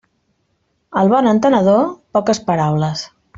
Al bon entenedor, poques paraules.